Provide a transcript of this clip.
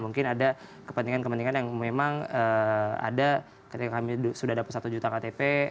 mungkin ada kepentingan kepentingan yang memang ada ketika kami sudah dapat satu juta ktp